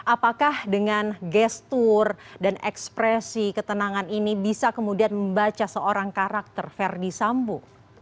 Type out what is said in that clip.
apakah dengan gestur dan ekspresi ketenangan ini bisa kemudian membaca seorang karakter ferdi sambo